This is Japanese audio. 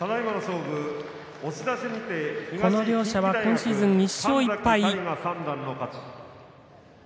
この両者は今シーズン２勝１敗。